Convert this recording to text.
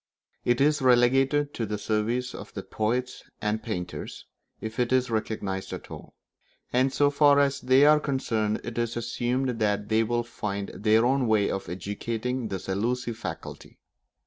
It is relegated to the service of the poets and painters if it is recognised at all; and so far as they are concerned it is assumed that they will find their own way of educating this elusive faculty.